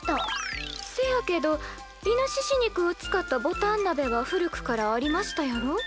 せやけどイノシシ肉を使ったぼたんなべは古くからありましたやろ？